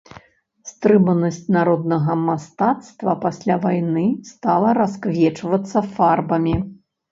Стрыманасць народнага мастацтва пасля вайны стала расквечвацца фарбамі.